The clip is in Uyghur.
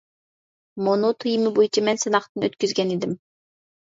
مۇنۇ تېما بويىچە مەن سىناقتىن ئۆتكۈزگەن ئىدىم.